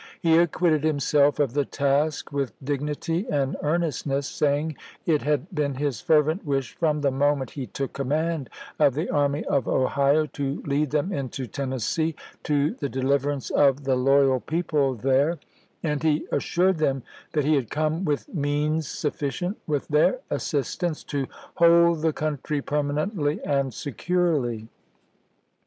He acquitted him self of the task with dignity and earnestness, say ing it had been his fervent wish from the moment he took command of the Army of Ohio to lead them into Tennessee to the deliverance of the loyal people there, and he assured them that he had come with means sufficient, with their assistance, to hold the country permanently and securely.